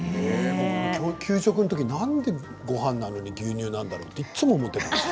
給食のときなんでごはんなのに牛乳なんだろうっていつも思っていた。